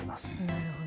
なるほど。